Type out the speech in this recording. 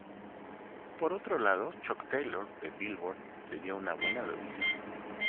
Por otro lado, Chuck Taylor de "Billboard" le dio una buena revisión.